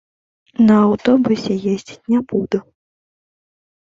На аўтобусе ездзіць не буду!